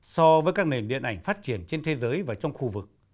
so với các nền điện ảnh phát triển trên thế giới và trong khu vực